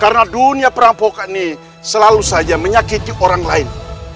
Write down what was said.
karena dunia perampokan ini selalu saja menyakiti orang lain